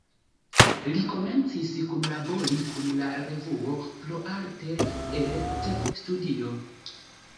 Li komencis kunlabori kun la revuo "Pro arte et studio".